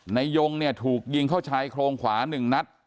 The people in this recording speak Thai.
ในยงท์จะถูกยิงข้าวชายความขวานึ่งนัด